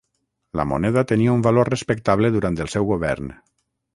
La moneda tenia un valor respectable durant el seu govern.